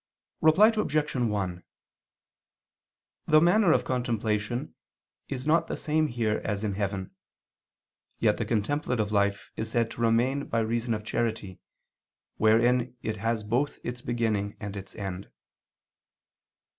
Reply Obj. 1: The manner of contemplation is not the same here as in heaven: yet the contemplative life is said to remain by reason of charity, wherein it has both its beginning and its end.